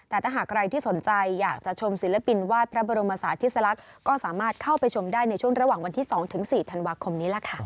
แต่ถ้าหากใครที่สนใจอยากจะชมศิลปินวาดพระบรมศาสติสลักษณ์ก็สามารถเข้าไปชมได้ในช่วงระหว่างวันที่๒๔ธันวาคมนี้ล่ะค่ะ